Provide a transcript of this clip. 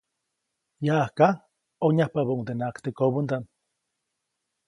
Yaʼajka ʼonyajpabäʼundenaʼajk teʼ kobändaʼm.